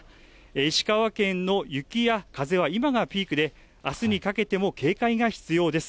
石川県の雪や風は今がピークで、あすにかけても警戒が必要です。